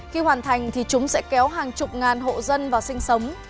khi hoàn thành thì chúng sẽ kéo hàng chục ngàn hộ dân vào sinh sống